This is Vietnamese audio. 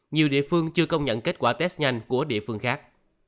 nhiều địa phương chưa công nhận kết quả test nhanh của địa phương khác